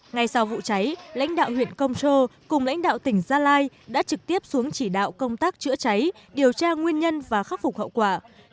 ngay sau vụ cháy lãnh đạo huyện công châu cùng lãnh đạo tỉnh gia lai đã trực tiếp xuống chỉ đạo công tác chữa cháy điều tra nguyên nhân và khắc phục hậu quả